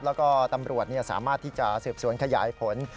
แล้วก็ตำรวจสามารถที่จะสืบสวนขยายผล